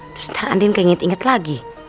terus ntar andin kaya inget inget lagi